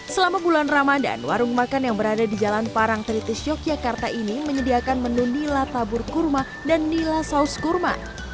selama bulan ramadan warung makan yang berada di jalan parang tritis yogyakarta ini menyediakan menu nila tabur kurma dan nila saus kurma